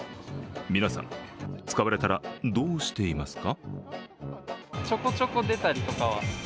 皆さん使われたらどうしていますか？